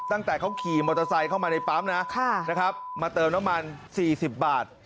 ตั้งแต่เขาขี่มอเตอร์ไซค์เข้ามาในปั๊มนะมาเติมน้ำมัน๔๐บาท